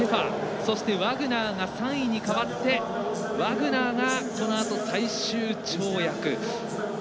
そしてワグナーが３位に変わってワグナーがこのあと、最終跳躍。